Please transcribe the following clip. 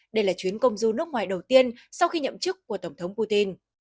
đây là chuyến công du nước ngoài đầu tiên sau khi nhậm chức của tổng thống putin